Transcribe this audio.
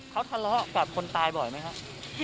เขาทะเลาะกับคนตายบ่อยไหมครับ